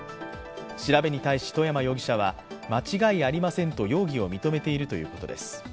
調べに対し、外山容疑者は間違いありませんと容疑と認めているということです。